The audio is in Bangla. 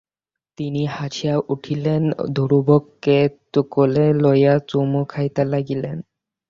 তিনি হাসিয়া উঠিলেন, ধ্রুবকে কোলে লইয়া চুমো খাইতে লাগিলেন।